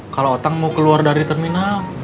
kalo otang mau keluar dari terminal